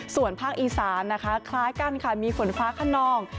ส่วนภาคอีสานนะคะคล้ายกันค่ะมีฝนฟ้าขนอง